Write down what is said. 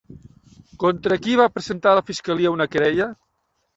Contra qui va presentar la fiscalia una querella?